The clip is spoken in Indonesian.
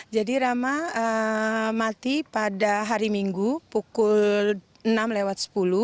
jadi rama mati pada hari minggu pukul enam lewat sepuluh